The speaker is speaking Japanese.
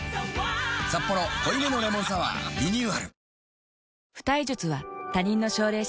「サッポロ濃いめのレモンサワー」リニューアル